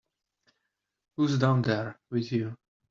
Who's down there with you?